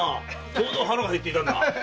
ちょうど腹が減っていたんだ。